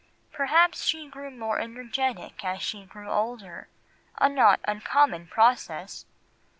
Perhaps she grew more energetic as she grew older, a not uncommon process.